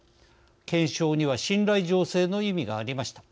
検証には信頼醸成の意味がありました。